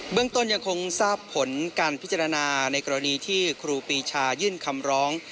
เรื่องต้นยังคงทราบผลการพิจารณาในกรณีที่ครูปีชายื่นคำร้อง